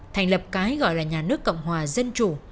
thành lập cái gọi là nhà nước cộng hòa dân chủ